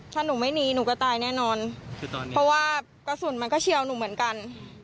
ถ้าหนูไม่หนีหนูก็ตายแน่นอนเพราะว่ากระสุนมันก็เชียวหนูเหมือนกัน